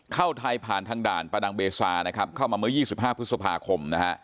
เข้าไทยผ่านทางด่านประดังเบซานะครับเข้ามาเมื่อ๒๕พฤษภาคมนะฮะ